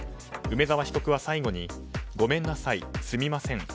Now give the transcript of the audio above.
梅沢被告は最後にごめんなさい、すみません